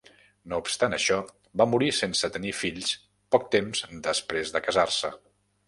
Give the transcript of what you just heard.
No obstant això, va morir sense tenir fills poc temps després de casar-se.